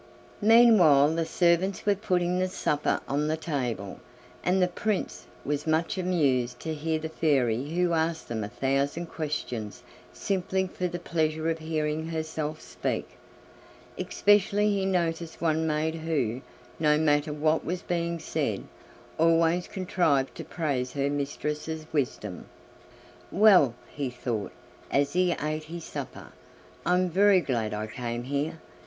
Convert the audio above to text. Meanwhile the servants were putting the supper on the table, and the prince was much amused to hear the Fairy who asked them a thousand questions simply for the pleasure of hearing herself speak; especially he noticed one maid who, no matter what was being said, always contrived to praise her mistress's wisdom. "Well!" he thought, as he ate his supper, "I'm very glad I came here.